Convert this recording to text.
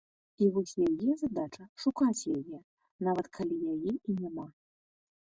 І вось яе задача шукаць яе, нават калі яе і няма.